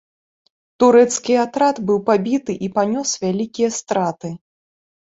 Турэцкі атрад быў пабіты і панёс вялікія страты.